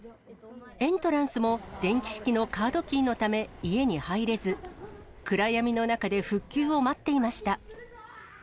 エントランスも電気式のカードキーのため家に入れず、暗闇の中で復旧を待っていました。